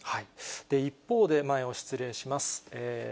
一方で、前を失礼します。